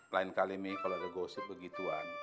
lain kali mi kalo ada gosip begitu